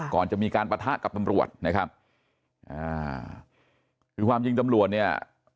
ก่อนจะมีการปะทะกับตำรวจนะครับอ่าคือความจริงตำรวจเนี่ย